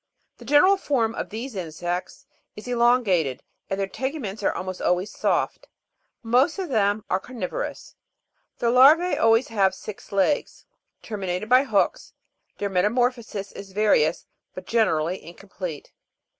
The general form of these insects is elongated, and their teguments almost always soft. Most of them are carnivorous. The Iarva9 always have six legs terminated by hooks ; their metamorphosis is various, but generally incomplete.